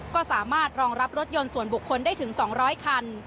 ก็สามารถรองรับรถยนต์ส่วนบุคคลได้ถึง๒๐๐คัน